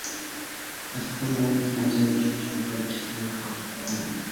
As coal mining expanded villages were built to house coal miners.